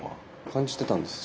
感じてたんです。